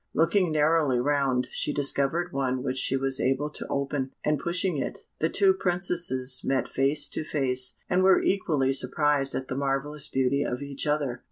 Looking narrowly round, she discovered one which she was able to open, and pushing it, the two Princesses met face to face, and were equally surprised at the marvellous beauty of each other.